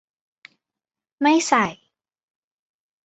ไม่ใส่